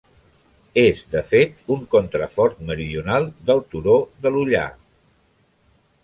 És, de fet, un contrafort meridional del Turó de l'Ullar.